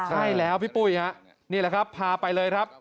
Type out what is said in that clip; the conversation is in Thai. ใช่แล้วพี่ปุ้ยฮะนี่แหละครับพาไปเลยครับ